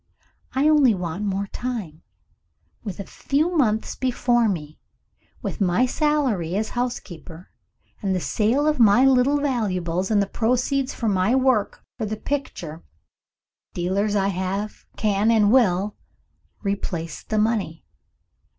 I only want more time. With a few months before me with my salary as housekeeper, and the sale of my little valuables, and the proceeds of my work for the picture dealers I can, and will, replace the money.